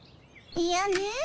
いやねえ